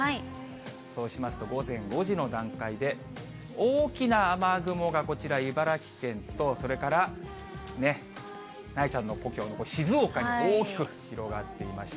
そうしますと、午前５時の段階で、大きな雨雲がこちら、茨城県と、それからなえちゃんの故郷の静岡に、大きく広がっていまして。